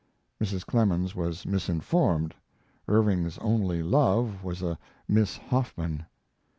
[Mrs. Clemens was misinformed. Irving's only "love" was a Miss Hoffman.